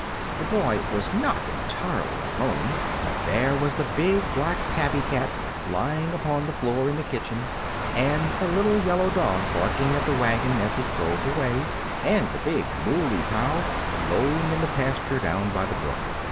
The boy was not entirely alone, for there was the big black tabby cat lying upon the floor in the kitchen, and the little yellow dog barking at the wagon as it drove away, and the big moolie cow lowing in the pasture down by the brook.